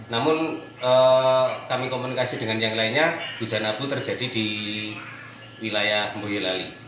namun kami komunikasi dengan yang lainnya hujan abu terjadi di wilayah boyolali